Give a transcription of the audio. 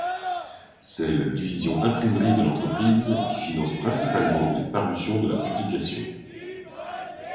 C’est la division imprimerie de l’entreprise qui finance principalement les parutions de la publication.